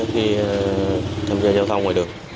khi tham gia giao thông ngoài đường